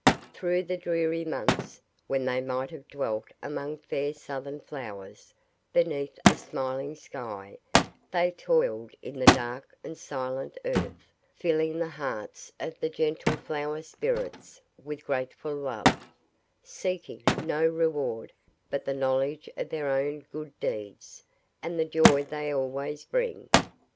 Through the dreary months, when they might have dwelt among fair Southern flowers, beneath a smiling sky, they toiled in the dark and silent earth, filling the hearts of the gentle Flower Spirits with grateful love, seeking no reward but the knowledge of their own good deeds, and the joy they always bring.